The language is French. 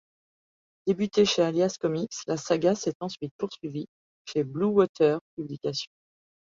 Débutée chez Alias Comics, la saga s’est ensuite poursuivie chez Bluewater Publications.